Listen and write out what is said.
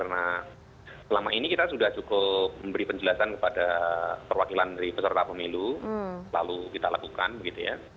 karena selama ini kita sudah cukup memberi penjelasan kepada perwakilan dari peserta pemilu lalu kita lakukan begitu ya